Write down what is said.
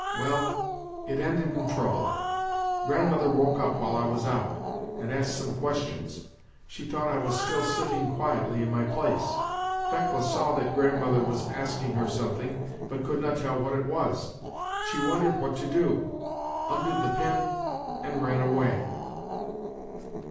Well, it ended in trouble. Grandmother woke up while I was out, and asked some questions ; she thought I was still sitting quietly in my place. Fekla saw that grandmother was asking her some thing, but could not tell what it was ; she wondered what to do, undid the pin and ran away.